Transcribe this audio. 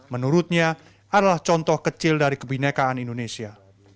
menurutnya adalah contoh kecil dari kebinekaan indonesia